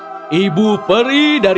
inilah peri yang akan memberkati sang putri